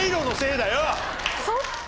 そっか。